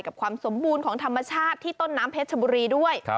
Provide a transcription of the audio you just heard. ความสมบูรณ์ของธรรมชาติที่ต้นน้ำเพชรชบุรีด้วย